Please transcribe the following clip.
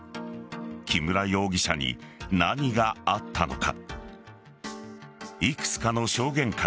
木村容疑者に何があったのか。